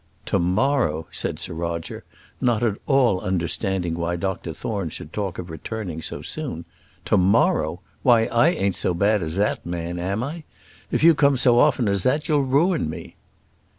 "To morrow!" said Sir Roger, not at all understanding why Dr Thorne should talk of returning so soon. "To morrow! why I ain't so bad as that, man, am I? If you come so often as that you'll ruin me."